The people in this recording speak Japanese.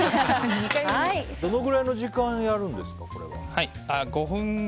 どのくらいの時間やるんですかこれは。